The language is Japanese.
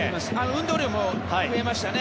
運動量も増えましたね。